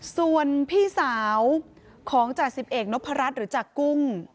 ส่วนพี่สาวของจ่าสิบเอกนพรัชหรือจากกุ้ง